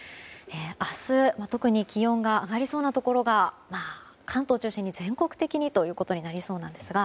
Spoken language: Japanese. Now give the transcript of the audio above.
明日、特に気温が上がりそうなところが関東中心に全国的にとなりそうなんですが。